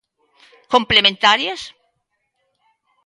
Complementarias?